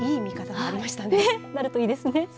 なるといいですね。